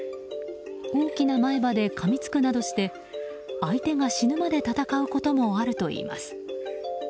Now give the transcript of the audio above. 大きな前歯でかみつくなどして相手が死ぬまで戦うこともあるといいます。